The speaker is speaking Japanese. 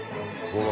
ほら。